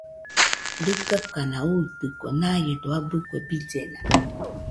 Kuikokana uitɨkue, naiedo abɨdo kue billena